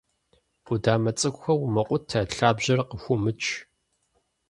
Къудамэ цӀыкӀухэр умыкъутэ, лъабжьэр къыхыумыч.